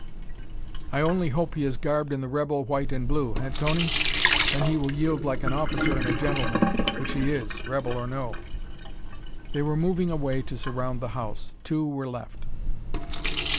"I only hope he is garbed in the rebel white and blue eh, Tony? Then he will yield like an officer and a gentleman; which he is, rebel or no." They were moving away to surround the house. Two were left.